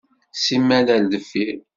Simmal ar deffir.